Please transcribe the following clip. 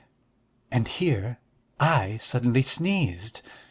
And here I suddenly sneezed.